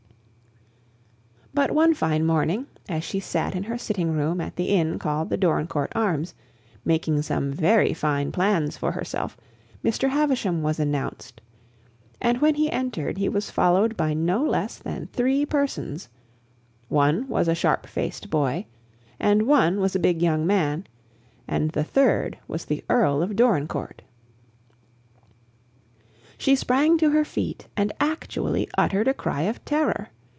But one fine morning, as she sat in her sitting room at the inn called "The Dorincourt Arms," making some very fine plans for herself, Mr. Havisham was announced; and when he entered, he was followed by no less than three persons one was a sharp faced boy and one was a big young man and the third was the Earl of Dorincourt. She sprang to her feet and actually uttered a cry of terror.